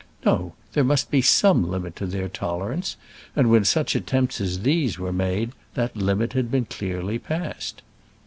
No; there must be some limit to their tolerance, and when such attempts as these were made that limit had been clearly passed.